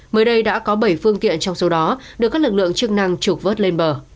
mới đây đã có bảy phương tiện trong số đó được các lực lượng chức năng trục vớt lên bờ